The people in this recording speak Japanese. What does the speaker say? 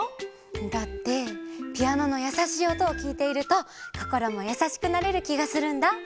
だってピアノのやさしいおとをきいているとこころもやさしくなれるきがするんだ。